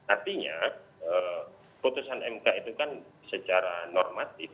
artinya putusan mk itu kan secara normatif